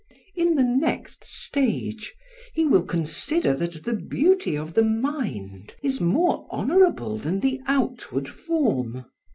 In the next stage he will consider that the beauty of the mind is more honourable than the outward form.